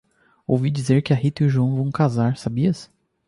Ouvi dizer que a Rita e o João vão casar. Sabias?